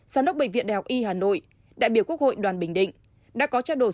giám đốc bệnh viện đại học y hà nội đại biểu quốc hội đoàn bình định đã có trao đổi